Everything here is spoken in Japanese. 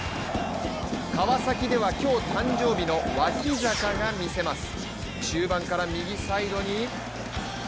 川崎では今日誕生日の脇坂が見せます。